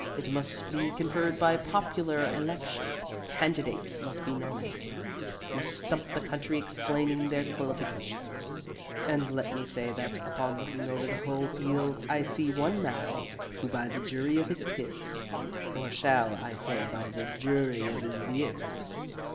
It must be conferred by popular election. Candidates must be nominated, must stump the country explaining their qualifications. And let me say that, upon looking over the whole field, I see one man, who by the jury of his peers or shall I say by the jury of his beers?